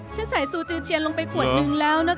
ฉันใส่ซูจูเชียนลงไปขวดนึงแล้วนะคะ